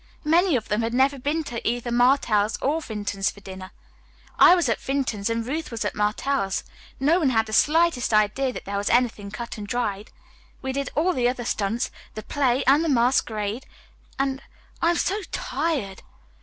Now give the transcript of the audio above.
Many of them had never been to either Martell's or Vinton's for dinner. I was at Vinton's and Ruth was at Martell's. No one had the slightest idea that there was anything cut and dried. We did all the other stunts; the play and the masquerade, and I am so tired."